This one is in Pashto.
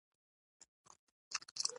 په وروستیو کلونو کې مسلمان شوی دی.